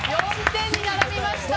４点に並びました！